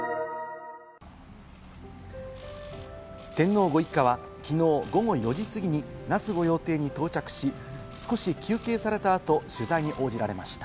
天皇ご一家はきのう午後４時過ぎに那須御用邸に到着し、少し休憩された後、取材に応じられました。